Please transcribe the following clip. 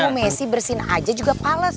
bu mesey bersihin aja juga pales